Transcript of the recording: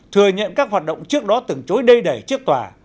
thừa nhận các hoạt động trước đó từng chối đầy trước tòa